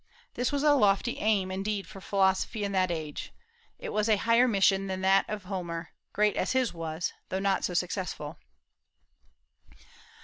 This was a lofty aim indeed for philosophy in that age. It was a higher mission than that of Homer, great as his was, though not so successful.